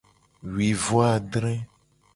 Wi vo adre.